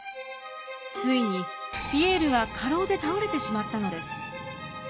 ついにピエールが過労で倒れてしまったのです。